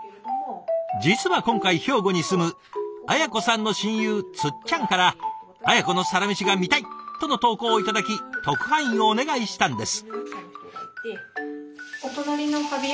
実は今回兵庫に住む文子さんの親友つっちゃんから「文子のサラメシが見たい！」との投稿を頂き特派員をお願いしたんです。